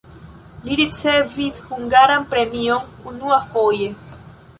Li ricevis hungaran premion unuafoje.